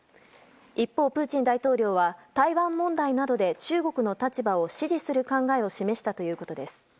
一方、プーチン大統領は台湾問題などで中国の立場を支持する考えを示したということです。